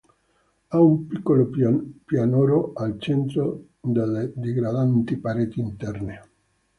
Ha un piccolo pianoro al centro delle digradanti pareti interne.